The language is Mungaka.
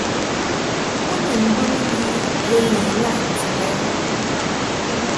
U ni mbɨŋɨ li bə ni ilaʼ ndib ɛ ?